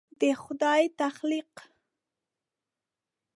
د خدای تخلیق